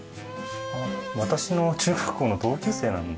私の中学校の同級生なんですよ。